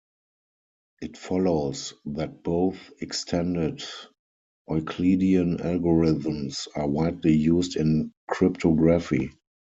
It follows that both extended Euclidean algorithms are widely used in cryptography.